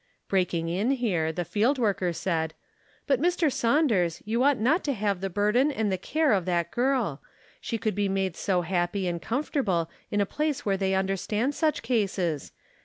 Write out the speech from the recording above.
Breaking in here, the field worker said, "But, Mr. Saunders, you ought not to have the burden and the care of that girl ; she could be made so happy and comfortable in a place where they understand such cases.